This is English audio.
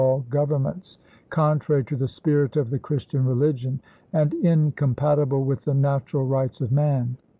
all governments, contrary to the spirit of the Chris tian religion, and incompatible with the natural rights of man.